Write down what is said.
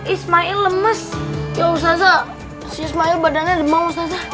ismail lemes yosasa ismail badannya demam